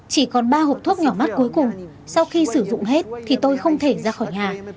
chỉ còn ba hộp thuốc nhỏ mắt cuối cùng sau khi sử dụng hết thì tôi không thể ra khỏi nhà